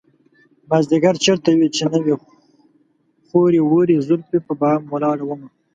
مازديگر چېرته وې چې نه وې خورې ورې زلفې په بام ولاړه ومه